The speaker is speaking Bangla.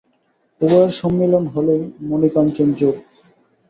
উভয়ের সম্মিলন হলেই মণিকাঞ্চনযোগ।